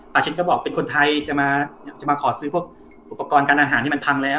เช่นก็บอกเป็นคนไทยจะมาขอซื้อพวกอุปกรณ์การอาหารที่มันพังแล้ว